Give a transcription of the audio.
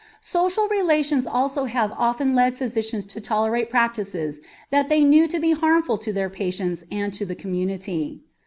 Social relations also have often led physicians to tolerate practices that they knew to be harmful to their patients and to the community.